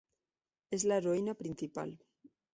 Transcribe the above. Es la heroína principal.